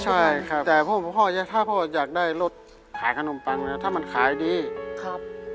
ใช่ครับแต่พ่อพ่อถ้าพ่ออยากได้รถขายขนมปังนะถ้ามันขายดีครับ